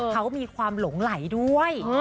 เขามีความหลงไหลด้วย